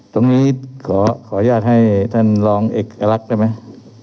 ขออนุญาตให้ท่านลองเอกลักษณ์ได้ไหม